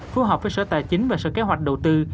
phù hợp với sở tài chính và sở kế hoạch đầu tư